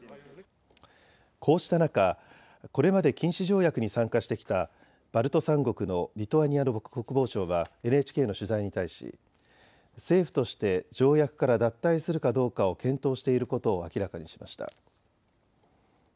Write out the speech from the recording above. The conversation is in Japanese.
こうした中、これまで禁止条約に参加してきたバルト三国のリトアニアの国防省はＮＨＫの取材に対し政府として条約から脱退するかどうかを検討していることを明らかにしました。